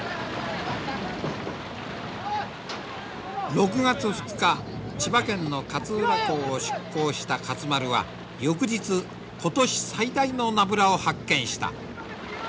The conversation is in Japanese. ６月２日千葉県の勝浦港を出港した勝丸は翌日今年最大のナブラを発見した。